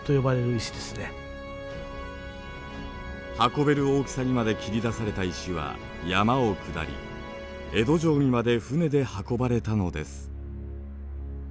運べる大きさにまで切り出された石は山を下り江戸城にまで船で運ばれたのです。